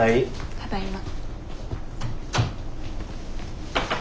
ただいま。